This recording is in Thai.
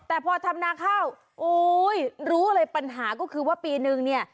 แต่พอทำนาข้าวโอ้ยรู้เลยปัญหาก็คือว่าปีนึงเนี่ย